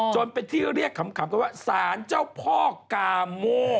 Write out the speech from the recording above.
จนเป็นที่เรียกขำกันว่าสารเจ้าพ่อกาโม